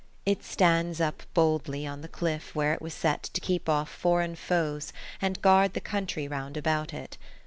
It stands up boldly on the cliff where it was set to keep off foreign foes and guard the country round about it.